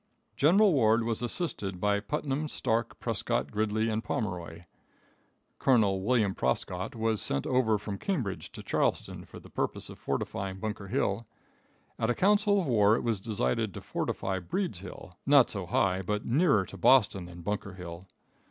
General Ward was assisted by Putnam, Starke, Prescott, Gridley and Pomeroy. Colonel William Prescott was sent over from Cambridge to Charlestown for the purpose of fortifying Bunker Hill. At a council of war it was decided to fortify Breeds Hill, not so high but nearer to Boston than Bunker Hill.